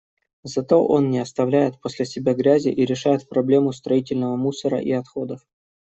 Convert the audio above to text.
Зато он не оставляет после себя грязи и решает проблему строительного мусора и отходов.